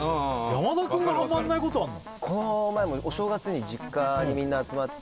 山田くんがハマんないことあんの？